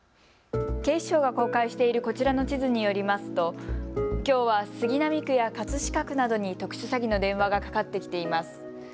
警視庁が公開しているこちらの地図によりますときょうは杉並区や葛飾区などに特殊詐欺の電話がかかってきています。